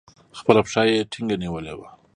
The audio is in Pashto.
خپله پښه يې ټينگه نيولې وه.